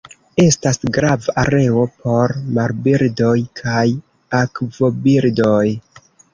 Estas grava areo por marbirdoj kaj akvobirdoj.